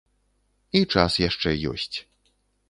І час яшчэ ёсць.